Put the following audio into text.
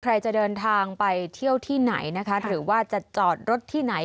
ใครจะเดินทางไปเที่ยวที่ไหนนะคะหรือว่าจะจอดรถที่ไหน